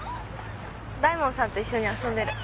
大門さんと一緒に遊んでる。